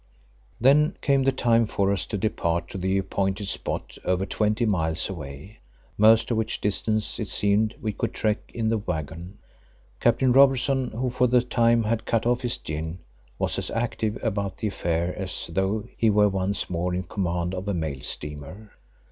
Then came the time for us to depart to the appointed spot over twenty miles away, most of which distance it seemed we could trek in the waggon. Captain Robertson, who for the time had cut off his gin, was as active about the affair as though he were once more in command of a mail steamer.